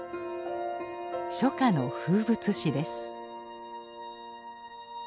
初夏の風物詩です。